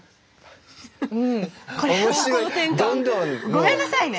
ごめんなさいね。